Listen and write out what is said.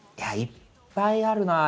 いっぱいあるなあ。